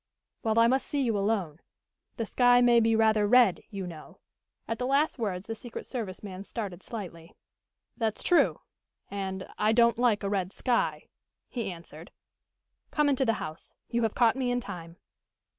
"Well, I must see you alone. The sky may be rather red, you know." At the last words the secret service man started slightly. "That's true, and I don't like a red sky," he answered. "Come into the house. You just caught me in time."